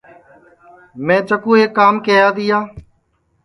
میں چکُُو ایک کام کیہیا تیا